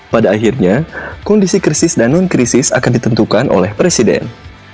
pada akhirnya kondisi krisis dan non krisis akan ditentukan oleh presiden